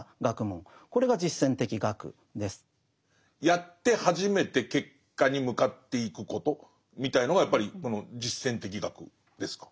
やって初めて結果に向かっていくことみたいのがやっぱりこの実践的学ですか？